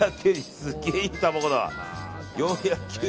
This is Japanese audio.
すげえいい卵だ。